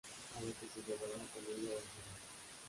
A la que se llevará con ella a Barcelona.